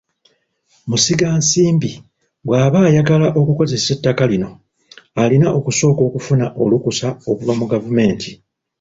Musigansimbi bw'aba ayagala okukozesa ettaka lino, alina okusooka okufuna olukkusa okuva mu gavumenti.